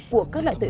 của các loại tài sản